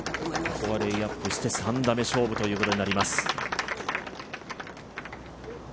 ここでレイアップして３打目勝負となります。